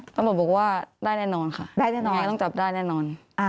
ตำรวจบอกว่าได้แน่นอนค่ะได้แน่นอนต้องจับได้แน่นอน